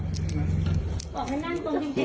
เนี่ยของผมน่าเสดี่ยงละ